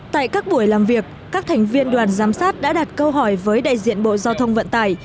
tại các buổi làm việc các thành viên đoàn giám sát đã đặt câu hỏi với đại diện bộ giao thông vận tải